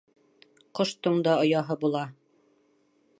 Ҡоштоң да ояһы була.